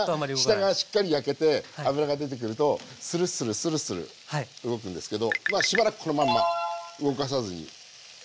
下がしっかり焼けて脂が出てくるとスルスルスルスル動くんですけどしばらくこのまんま動かさずにじっと焼きつけていきます。